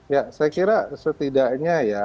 ya saya kira setidaknya ya